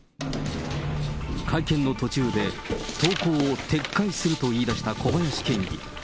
会見の途中で投稿を撤回すると言い出した小林県議。